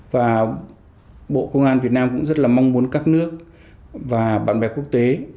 và bộ công an việt nam cũng rất là mong muốn các nước và bạn bè quốc tế